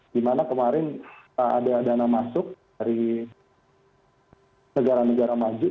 dimana kemarin ada dana masuk dari negara negara maju